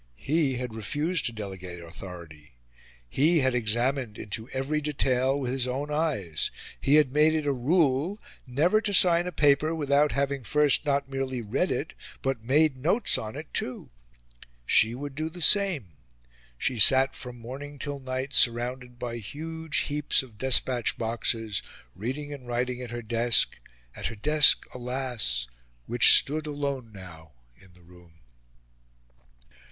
He had refused to delegate authority; he had examined into every detail with his own eyes; he had made it a rule never to sign a paper without having first, not merely read it, but made notes on it too. She would do the same. She sat from morning till night surrounded by huge heaps of despatch boxes, reading and writing at her desk at her desk, alas! which stood alone now in the room.